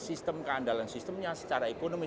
sistem keandalan sistemnya secara ekonomi